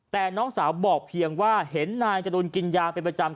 แต่น้องสาวบอกเพียงว่าเห็นนายจรูลกินยาเป็นประจำ